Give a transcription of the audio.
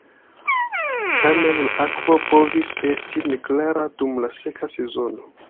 Tamen, la akvo povis esti neklara dum la seka sezono.